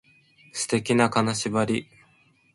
素敵な金縛り